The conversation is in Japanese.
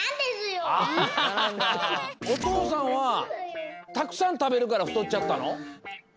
お父さんはたくさんたべるから太っちゃったの？